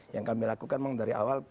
yang kami lakukan memang dari awal